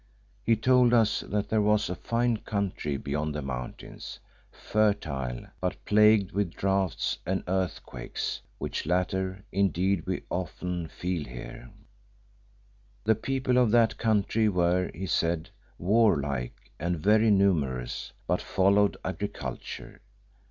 He told us that there was a fine country beyond the mountains, fertile, but plagued with droughts and earthquakes, which latter, indeed, we often feel here. "The people of that country were, he said, warlike and very numerous but followed agriculture.